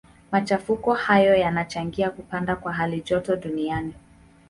Machafuko hayo yanachangia kupanda kwa halijoto duniani.